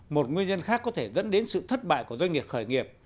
một nguyên nhân khác có thể dẫn đến sự thất bại của doanh nghiệp khởi nghiệp